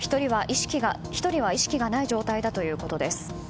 １人は意識がない状態だということです。